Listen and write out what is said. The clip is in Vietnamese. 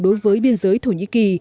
đối với biên giới thổ nhĩ kỳ